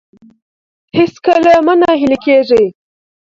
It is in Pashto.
هېڅکله مه ناهیلي کیږئ.